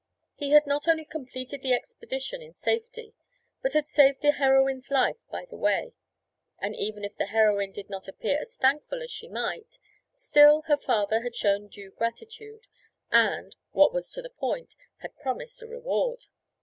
He had not only completed the expedition in safety, but had saved the heroine's life by the way; and even if the heroine did not appear as thankful as she might, still, her father had shown due gratitude, and, what was to the point, had promised a reward.